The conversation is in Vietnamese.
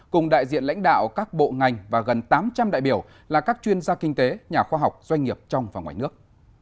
cùng đại diện lãnh đạo các bộ ngành và gần tám trăm linh đại biểu là các chuyên gia kinh tế nhà khoa học doanh nghiệp trong và ngoài nước